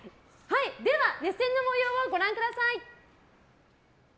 熱戦の模様をご覧ください。